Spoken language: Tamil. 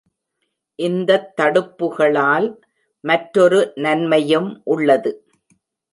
இந்தத் தடுப்புகளால் மற்றொரு நன்மையும் உள்ளது.